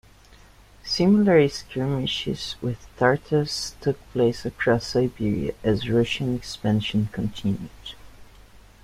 Similar skirmishes with Tartars took place across Siberia as Russian expansion continued.